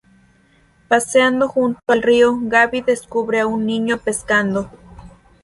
Paseando junto al río, Gabby descubre a un niño pescando.